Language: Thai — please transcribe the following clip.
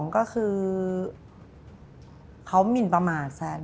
ก็คือเขาหมินประมาทแซน